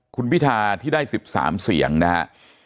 คุณพิทาที่ได้๑๓เสียงนะครับ